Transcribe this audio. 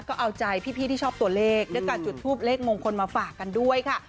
ก็เอาใจพี่ที่ชอบตัวเลขด้วยการจุดทูปเลขมงคลมาฝากกันด้วยค่ะ